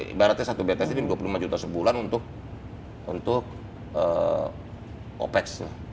ibaratnya satu bts itu rp dua puluh lima sebulan untuk opex